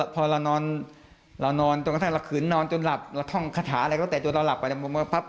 พอเรานอนตรงที่เราขืนนอนจนหลับเราท่องขทาอะไรตั้งแต่จนเราหลับไป